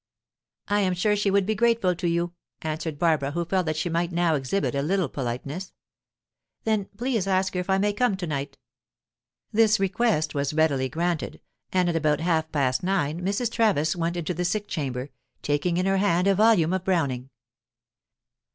"I am sure she would be grateful to you," answered Barbara, who felt that she might now exhibit a little politeness. "Then please ask her if I may come to night." This request was readily granted, and at about half past nine Mrs. Travis went into the sick chamber, taking in her hand a volume of Browning.